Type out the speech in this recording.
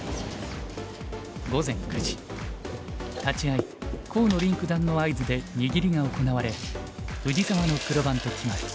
午前９時立会い河野臨九段の合図で握りが行われ藤沢の黒番と決まる。